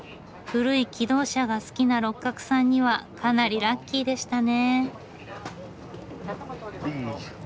古い気動車が好きな六角さんにはかなりラッキーでしたね。